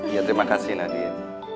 iya terima kasih nadine